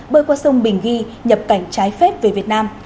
bơi qua sông bình ghi nhập cảnh trái phép về việt nam